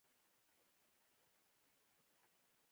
د سکس پر مهال د يو بل سترګو ته کتل مينه ډېروي.